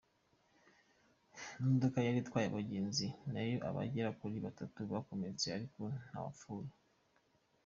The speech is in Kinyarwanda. Imodoka yari itwaye abagenzi nayo abagera kuri batatu bakomeretse ariko ntawapfuye.